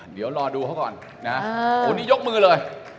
เดี๋ยวรอดูเขาก่อนนะวันนี้ยกมือเลย